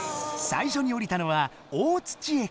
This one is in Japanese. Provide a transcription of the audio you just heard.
最初におりたのは大駅。